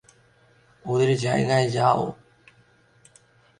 ওদের জায়গায় যাও!